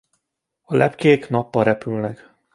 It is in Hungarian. A lepkék nappal repülnek.